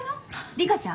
リカちゃん？